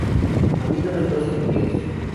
A mí no me tose ni Dios